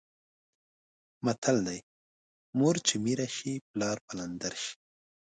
متل دی: مور چې میره شي پلار پلندر شي.